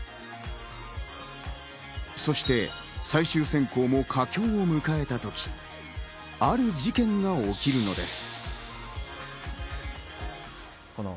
そして最終選考も佳境を迎えたとき、ある事件が起きるのです。